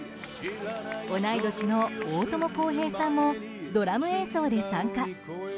同い年の大友康平さんもドラム演奏で参加。